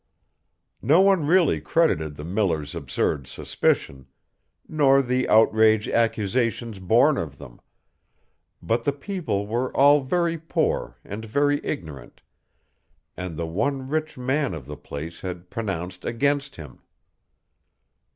No one really credited the miller's absurd suspicion, nor the outrageous accusations born of them, but the people were all very poor and very ignorant, and the one rich man of the place had pronounced against him.